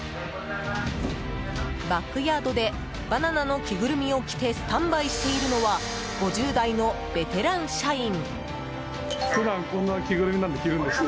バックヤードでバナナの着ぐるみを着てスタンバイしているのは５０代のベテラン社員。